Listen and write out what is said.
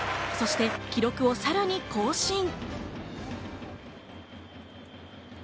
そして記録をさらに更新。